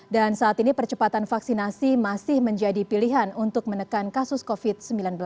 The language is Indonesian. dan saat ini percepatan vaksinasi masih menjadi pilihan untuk menekan kasus covid sembilan belas